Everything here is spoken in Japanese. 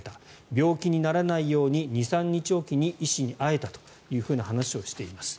病気にならないように２３日おきに医師に会えたという話をしています。